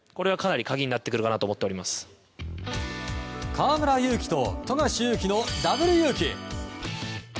河村勇輝と富樫勇樹のダブルユウキ。